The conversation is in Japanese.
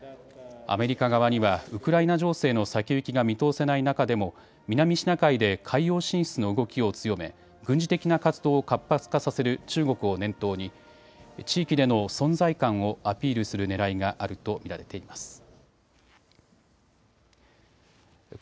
アメリカ側には、ウクライナ情勢の先行きが見通せない中でも、南シナ海で海洋進出の動きを強め、軍事的な活動を活発化させる中国を念頭に、地域での存在感をアピールするねらいがあると見られています。